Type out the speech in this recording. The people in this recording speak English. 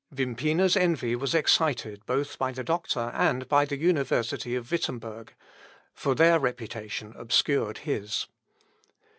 Wimpina's envy was excited both by the doctor and by the university of Wittemberg; for their reputation obscured his.